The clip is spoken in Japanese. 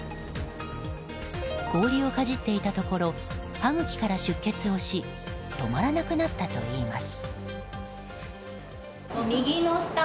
氷をかじっていたところ歯ぐきから出血し止まらなくなったといいます。